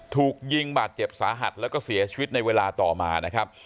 ถูกยิงบาดเจ็บสาหัสแล้วก็เสียชีวิตในเวลาต่อมานะครับ